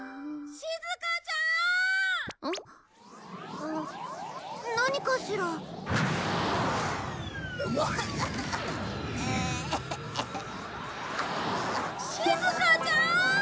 しずかちゃーん！